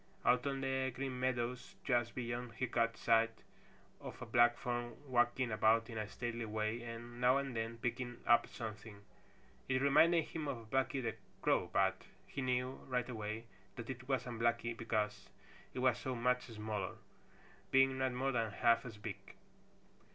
Out on the Green Meadows just beyond he caught sight of a black form walking about in a stately way and now and then picking up something. It reminded him of Blacky the Crow, but he knew right away that it wasn't Blacky, because it was so much smaller, being not more than half as big.